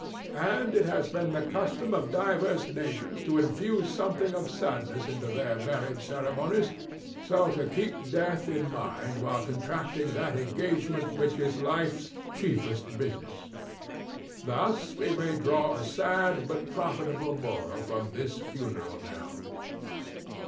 And it has been the custom of divers nations to infuse something of sadness into their marriage ceremonies, so to keep death in mind while contracting that engagement which is life's chiefest business. Thus we may draw a sad but profitable moral from this funeral knell."